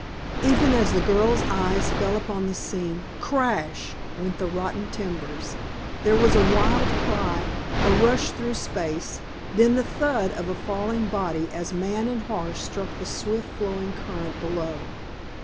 Even as the girl's eyes fell upon the scene, crash! went the rotten timbers. There was a wild cry, a rush through space, then the thud of a falling body as man and horse struck the swift flowing current below.